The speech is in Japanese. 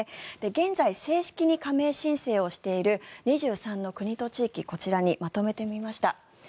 現在、正式に加盟申請している２３の国と地域こちらにまとめてみました。